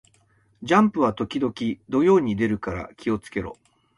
ジャンプは時々土曜に出るから気を付けろ